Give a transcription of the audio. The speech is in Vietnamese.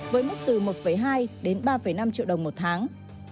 với mức từ một hai đến ba năm triệu đồng một tháng